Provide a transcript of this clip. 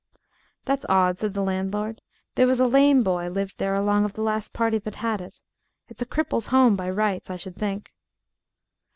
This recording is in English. "That's odd," said the landlord; "there was a lame boy lived there along of the last party that had it. It's a cripple's home by rights, I should think."